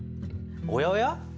おやおや？